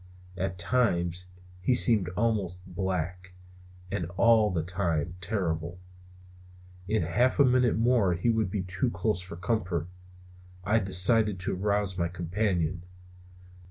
At times he seemed almost black; and all the time terrible. In half a minute more he would be too close for comfort, and I decided to arouse my companion.